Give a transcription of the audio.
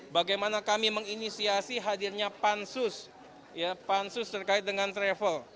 bagaimana kami menginisiasi hadirnya pansus ya pansus terkait dengan travel